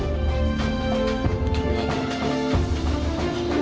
ขอบ้อนจ้าหน้าธี